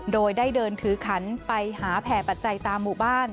โดยได้เดินถือขันไปหาแผ่ปัจจัยตามหมู่บ้าน